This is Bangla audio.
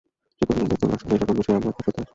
সে কহিল, দেখুন, আসলে এ-সকল বিষয়ে আমরা অভ্যাসের দাস।